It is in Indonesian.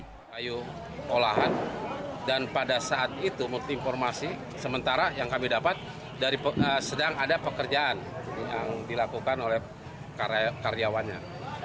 kayu olahan dan pada saat itu multi informasi sementara yang kami dapat sedang ada pekerjaan yang dilakukan oleh karyawannya